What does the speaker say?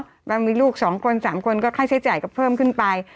บางมีลูก๒คน๓คนก็ค่าใช้จ่ายก็เพิ่มขึ้นไป